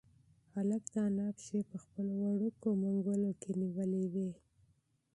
هلک د انا پښې په خپلو وړوکو منگولو کې نیولې وې.